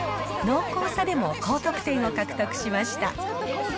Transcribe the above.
濃厚さでも高得点を獲得しました。